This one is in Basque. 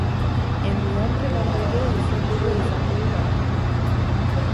En mi hambre mando yo izenburua izango du lan honek.